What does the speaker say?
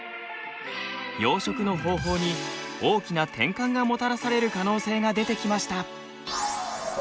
養殖の方法に大きな転換がもたらされる可能性が出てきました。